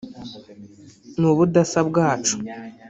ni ubudasa bwacu